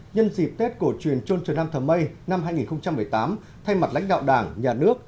nhân dịp tết cổ truyền trôn trần nam thờ mây năm hai nghìn một mươi tám thay mặt lãnh đạo đảng nhà nước